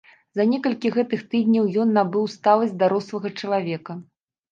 За некалькі гэтых тыдняў ён набыў сталасць дарослага чалавека.